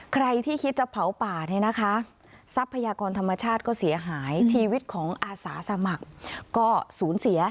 ใครที่คิดจะเผาป่าเนี่ยนะคะทรัพยากรธรรมชาติก็เสียหายชีวิตของอาสาสมัครก็สูญเสีย